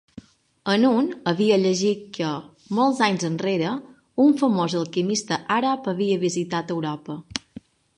En un havia llegit que, molts anys enrere, un famós alquimista àrab havia visitat Europa.